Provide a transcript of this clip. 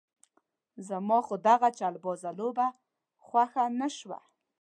زما خو دغه چلبازه لوبه خوښه نه شوه.